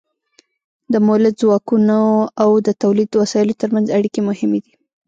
د مؤلده ځواکونو او د تولید د وسایلو ترمنځ اړیکې مهمې دي.